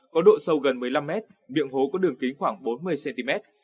có độ sâu gần một mươi năm mét miệng hố có đường kính khoảng bốn mươi cm